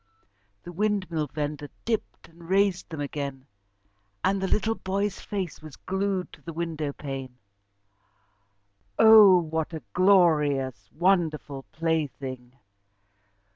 The windmill vendor dipped and raised them again, and the little boy's face was glued to the window pane. Oh! What a glorious, wonderful plaything!